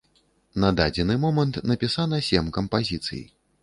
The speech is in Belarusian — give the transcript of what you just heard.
На дадзены момант напісана сем кампазіцый.